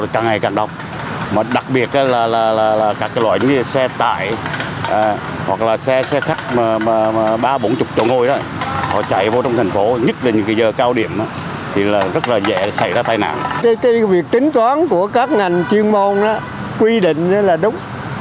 cái việc tính toán của các ngành chuyên môn quy định là đúng thượng tiện cho người dân